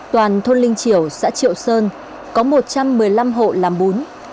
toàn thôn linh triều xã triệu sơn có một trăm một mươi năm hộ làm bún